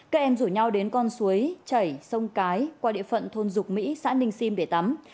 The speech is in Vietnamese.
các em rủ nhau đến con suối chảy sông cái qua địa phận thôn dục mỹ xã ninh sim để tắm